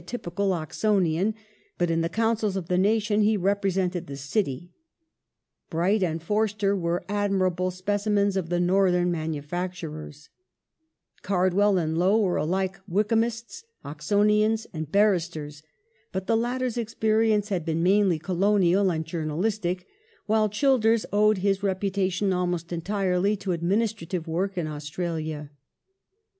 1873] THE IRISH CHURCH 383 typical Oxonian, but in the councils of the nation he represented the City; Bright and Forster were admirable specimens of the Northern manufacturers ; Card well and Lowe were alike Wykeham ists, Oxonians, and barristers, but the latter's experience had been mainly Colonial and journalistic, while Childers owed his reputation almost entirely to administrative work in Australia.